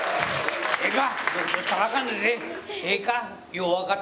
ええか？